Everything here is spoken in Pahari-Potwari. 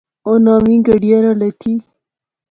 اوہ نویں گڈیا راں لیتھِی